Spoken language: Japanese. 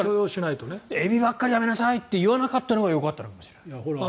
エビばかりやめなさいって言わなかったのがよかったのかもしれない。